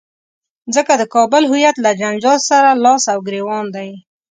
ځکه د کابل هویت له جنجال سره لاس او ګرېوان دی.